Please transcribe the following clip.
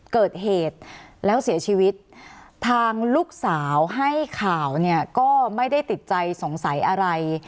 เกิดเหตุแล้วเสียชีวิตทางลูกสาวให้ข่าวเนี่ยก็ไม่ได้ติดใจสงสัยอะไร